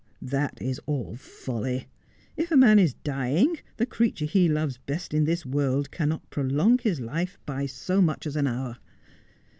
' That is all folly. If a man is dying, the creature he loves best in this world cannot prolong his life by so much as an hour.